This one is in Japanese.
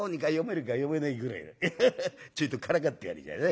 ちょいとからかってやる。